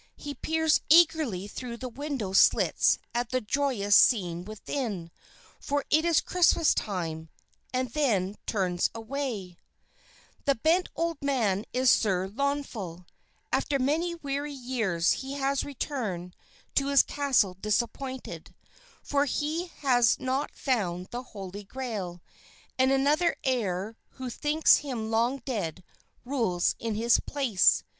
He peers eagerly through the window slits at the joyous scene within, for it is Christmas time, and then turns away. [Illustration: SLOWLY SLEEP CAME UPON HIM AND HE DREAMED] The bent old man is Sir Launfal. After many weary years he has returned to his castle disappointed, for he has not found the Holy Grail, and another heir who thinks him long dead rules in his place.